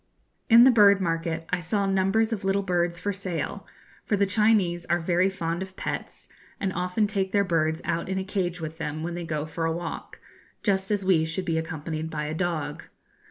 In the bird market I saw numbers of little birds for sale, for the Chinese are very fond of pets, and often take their birds out in a cage with them when they go for a walk, just as we should be accompanied by a dog.